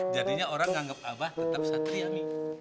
jadinya orang nganggep abah tetap satria mi